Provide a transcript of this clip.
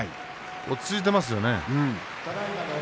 落ち着いていますね。